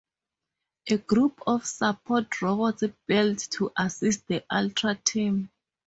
A group of support robots built to assist the Ultra Team.